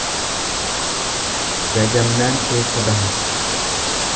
Jajamnaan keessa bahe.